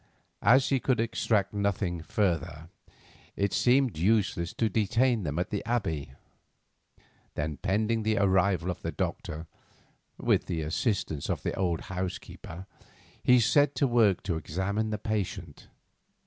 As he could extract nothing further, it seemed useless to detain them at the Abbey. Then, pending the arrival of the doctor, with the assistance of the old housekeeper, he set to work to examine the patient.